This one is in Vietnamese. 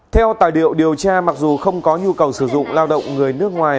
theo tài liệu điều tra mặc dù không có nhu cầu sử dụng lao động người nước ngoài